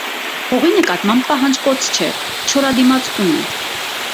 Հողի նկատմամբ պահանջկոտ չէ, չորադիմացկուն է։